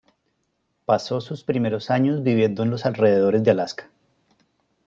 Pasó sus primeros años viviendo en los alrededores de Alaska.